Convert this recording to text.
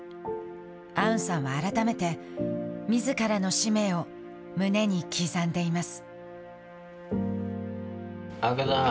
アウンさんは、改めてみずからの使命を胸に刻んでいます。